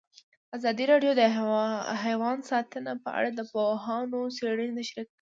ازادي راډیو د حیوان ساتنه په اړه د پوهانو څېړنې تشریح کړې.